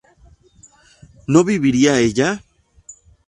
¿no viviría ella?